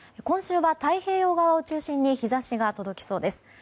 今週は太平洋側を中心に日差しが届きそうです。